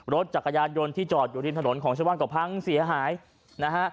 รถจักรยานยนต์ที่จอดอยู่ริมถนนของชาวบ้านก็พังเสียหายนะฮะ